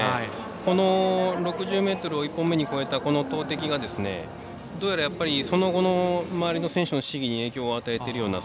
この６０ｍを１本目に超えた投てきがどうやらその後の周りの選手の試技に影響を与えているような